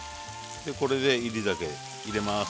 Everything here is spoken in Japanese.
これで煎り酒入れます。